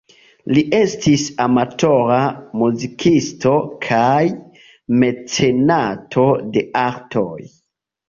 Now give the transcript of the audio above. Li estis amatora muzikisto kaj mecenato de artoj.